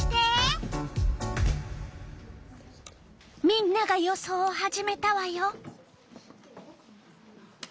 みんなが予想を始めたわよ！